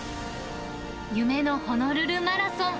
夢のホノルルマラソン。